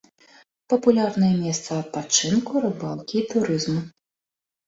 Папулярнае месца адпачынку, рыбалкі і турызму.